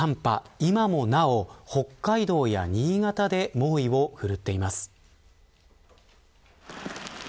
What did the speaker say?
今もなお、北海道や新潟で猛威を振るっています。